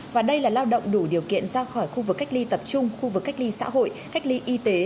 và đây là lao động đủ điều kiện ra khỏi khu vực cách ly tập trung khu vực cách ly xã hội cách ly y tế